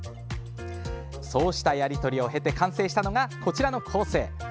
そうしたやり取りを経て完成したのが、こちらの構成です。